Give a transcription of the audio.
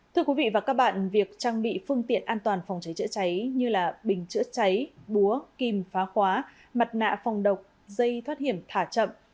thưa quý vị và các bạn việc trang bị phương tiện an toàn phòng cháy chữa cháy như bình chữa cháy búa kim phá khóa mặt nạ phòng độc dây thoát hiểm thả chậm